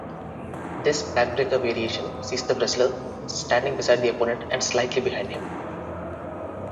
This backbreaker variation sees the wrestler standing beside the opponent and slightly behind him.